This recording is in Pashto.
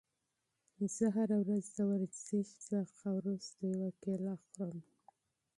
زه هره ورځ د ورزش څخه وروسته یوه کیله خورم.